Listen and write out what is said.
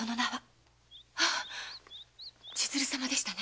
あ千鶴様でしたね。